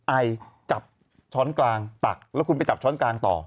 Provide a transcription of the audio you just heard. ใอแล้วจับช้องกลาง